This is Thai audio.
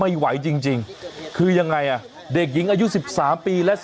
ขอบคุณครับขอบคุณครับ